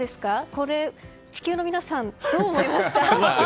これ、地球の皆さんどう思いますか？